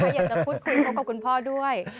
อยากจะพูดคุยพบกับคุณพ่อด้วย